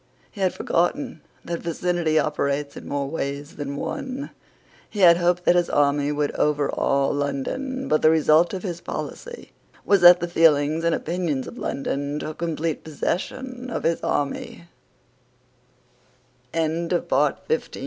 He had forgotten that vicinity operates in more ways than one. He had hoped that his army would overawe London: but the result of his policy was that the feelings and opinions of London took complete p